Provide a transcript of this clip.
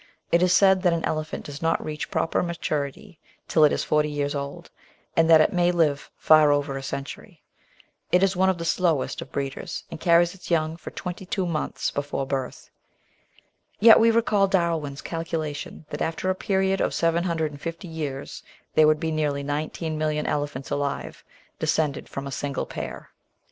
It is said that an elephant does hot reach proper maturity till it is forty years old, and that it may live far over a century. It is one of the slowest of breeders and carries its young for twenty two months before birth. Yet we recall Darwin's calculation that after a period of 750 years there would be nearly nineteen million elephants alive, descended from a single pair.